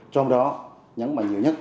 trong đó nhấn mạnh nhiều nhất